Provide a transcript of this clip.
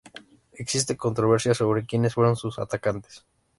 Existe controversia sobre quienes fueron sus atacantes.